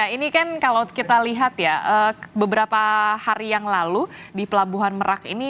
ini kan kalau kita lihat ya beberapa hari yang lalu di pelabuhan merak ini